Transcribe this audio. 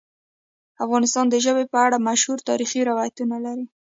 افغانستان د ژبې په اړه مشهور تاریخی روایتونه لري.